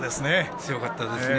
強かったですね。